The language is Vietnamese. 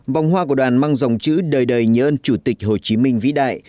vòng hoa của đoàn mang dòng chữ đời đời nhớ ơn chủ tịch hồ chí minh vĩ đại